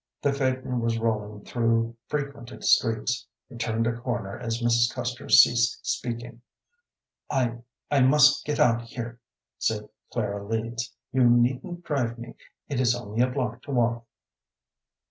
The phaeton was rolling through frequented streets. It turned a corner as Mrs. Custer ceased speaking. "I I must get out here," said Clara Leeds. "You needn't drive me. It is only a block to walk."